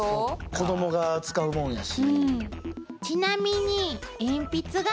子どもが使うもんやし。